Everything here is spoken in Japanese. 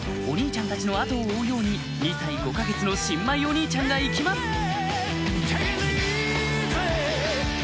お兄ちゃんたちの後を追うように２歳５か月の新米お兄ちゃんが行きます